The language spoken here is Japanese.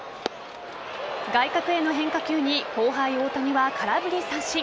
外角への変化球に後輩・大谷は空振り三振。